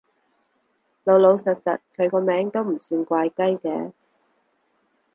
老老實實，佢個名都唔算怪雞嘅